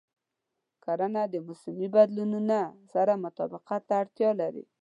کرنه د موسمي بدلونونو سره تطابق ته اړتیا لري.